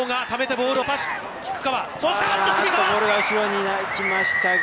ボールが後ろに行きましたが。